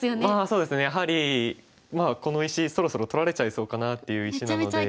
まあそうですねやはりこの石そろそろ取られちゃいそうかなっていう石なので。